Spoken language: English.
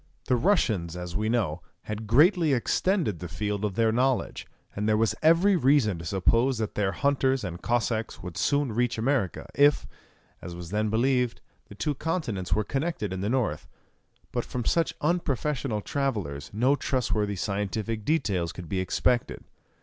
The Russians, as we know, had greatly extended the field of their knowledge, and there was every reason to suppose that their hunters and Cossacks would soon reach America, if, as was then believed, the two continents were connected in the north. But from such unprofessional travellers no trustworthy scientific details could be expected.